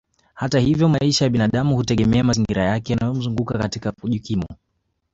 Hata hivyo maisha ya binadamu hutegemea mazingira yake yanayomzunguka katika kujikimu